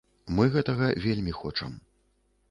Мы гэтага вельмі хочам.